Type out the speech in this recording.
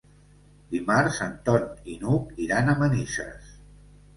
Dimarts en Ton i n'Hug iran a Manises.